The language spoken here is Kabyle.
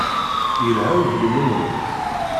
Yelha uglim-nwent.